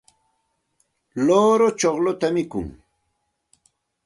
luuru chuqlluta mikun.